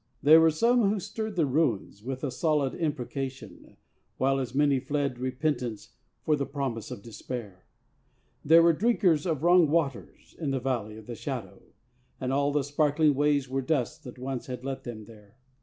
There were some who stirred the ruins with a solid imprecation, While as many fled repentance for the promise of despair: There were drinkers of wrong waters in the Valley of the Shadow, And all the sparkling ways were dust that once had led them there.